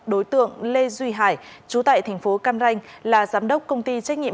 tổng đối tượng lê duy hải trú tại thành phố cam ranh là giám đốc công ty trách nhiệm